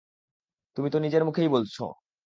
তুমি তো নিজের মুখেই বলছো।